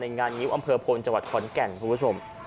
ในงานยิวอำเภอพลจขอนแก่นคุณผู้ชม